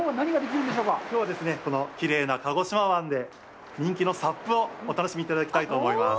きょうは、きれいな鹿児島湾で人気のＳＵＰをお楽しみいただきたいと思います。